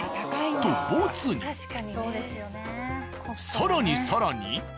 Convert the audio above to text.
更に更に。